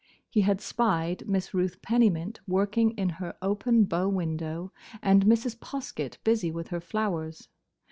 He had spied Miss Ruth Pennymint working in her open bow window, and Mrs. Poskett busy with her flowers.